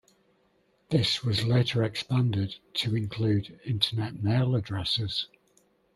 This was later expanded to include Internet mail addresses.